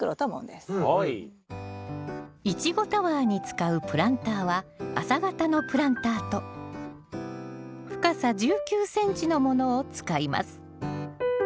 イチゴタワーに使うプランターは浅型のプランターと深さ１９ｃｍのものを使います。